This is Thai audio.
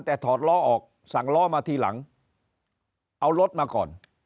แต่ถอดล้อออกสั่งล้อมาทีหลังเอารถมาก่อน